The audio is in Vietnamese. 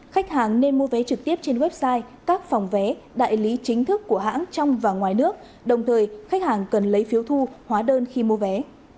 khách hàng nên mua vé trực tiếp trên website các phòng vé đại lý chính thức của hãng trong và ngoài nước đồng thời khách hàng cần lấy phiếu thu hóa đơn khi mua vé